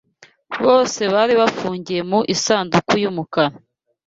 Bose bari bafungiye mu isanduku y'umukara